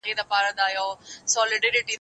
زه ونې ته اوبه نه ورکوم،